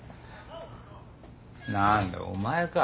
何だお前か。